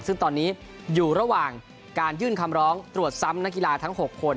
ซึ่งตอนนี้อยู่ระหว่างการยื่นคำร้องตรวจซ้ำนักกีฬาทั้ง๖คน